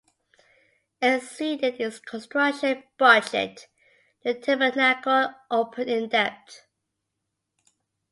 Exceeding its construction budget, the tabernacle opened in debt.